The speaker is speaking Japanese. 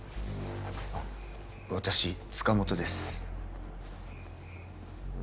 私塚本です。